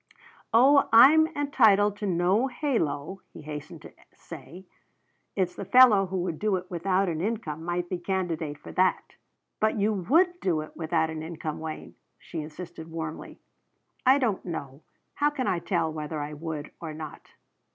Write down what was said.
"Oh, I'm entitled to no halo," he hastened to say. "It's the fellow who would do it without an income might be candidate for that." "But you would do it without an income, Wayne," she insisted warmly. "I don't know. How can I tell whether I would or not?